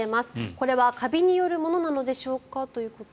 これはカビによるものなのでしょうか。